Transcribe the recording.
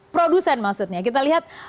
produsen maksudnya kita lihat